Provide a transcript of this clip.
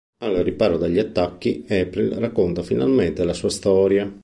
Al riparo dagli attacchi, April racconta finalmente la sua storia.